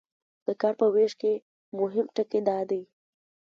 د کار په ویش کې مهم ټکي دا دي.